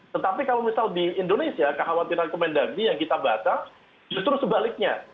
tetapi kalau misal di indonesia kekhawatiran kemendagri yang kita baca justru sebaliknya